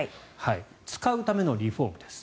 使うためのリフォームです。